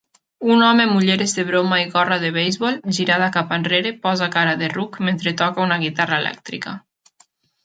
Un home amb ulleres de broma i gorra de beisbol girada cap enrere, posa cara de ruc mentre toca una guitarra elèctrica